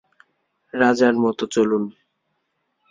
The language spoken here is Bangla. রাজার মতো চলুন।